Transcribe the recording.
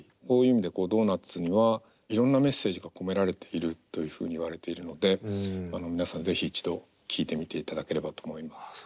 こういう意味で「Ｄｏｎｕｔｓ」にはいろんなメッセージが込められているというふうにいわれているので皆さん是非一度聴いてみていただければと思います。